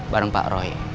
bareng pak roy